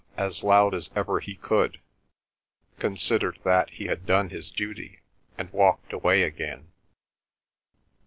as loud as ever he could, considered that he had done his duty, and walked away again.